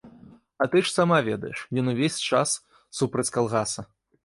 А ты ж сама ведаеш, ён увесь час супраць калгаса.